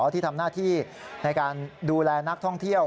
ที่ทำหน้าที่ในการดูแลนักท่องเที่ยว